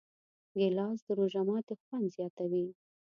ګیلاس د روژه ماتي خوند زیاتوي.